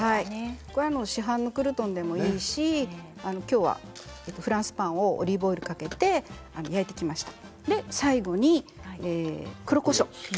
これは市販のクルトンでもいいしきょうはフランスパンもオリーブオイルをかけて焼いてきました。